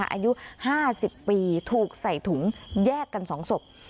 อายุ๕๐ปีถูกใส่ถุงแยกกัน๒ศพ